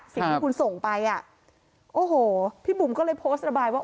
สิ่งที่คุณส่งไปอ่ะโอ้โหพี่บุ๋มก็เลยโพสต์ระบายว่า